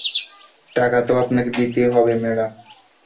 টাকা তো আপনাকে দিতেই হবে ম্যাডাম।